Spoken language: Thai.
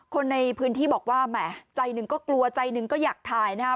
คนในพื้นที่บอกว่าแหมใจหนึ่งก็กลัวใจหนึ่งก็อยากถ่ายนะฮะ